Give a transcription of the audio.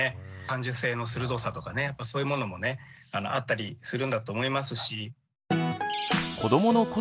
感受性の鋭さとかそういうものもねあったりするんだと思いますし。